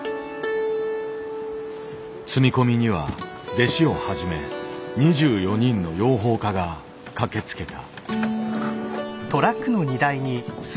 積み込みには弟子をはじめ２４人の養蜂家が駆けつけた。